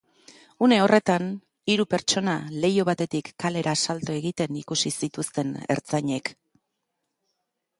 Une horretan, hiru pertsona leiho batetik kalera salto egiten ikusi zituzten ertzainek.